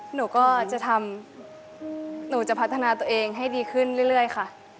หนูก็จะทำหนูจะพัฒนาตัวเองให้ดีขึ้นเรื่อยค่ะ